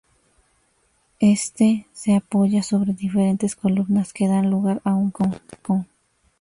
Éste se apoya sobre diferentes columnas, que dan lugar a un pórtico.